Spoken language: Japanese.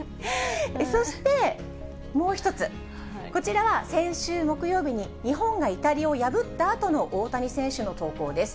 そして、もう一つ、こちらは先週木曜日に日本がイタリアを破ったあとの大谷選手の投稿です。